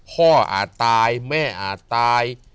อาจตายแม่อาจตาย